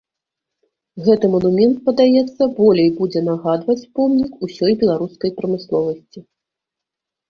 Гэты манумент, падаецца, болей будзе нагадваць помнік усёй беларускай прамысловасці.